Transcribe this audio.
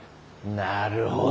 なるほど。